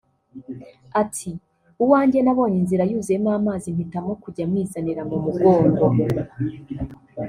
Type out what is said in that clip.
Ati "Uwanjye nabonye inzira yuzuyemo amazi mpitamo kujya mwizanira mu mugongo